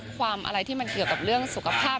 ความอะไรที่มันเกี่ยวกับเรื่องสุขภาพ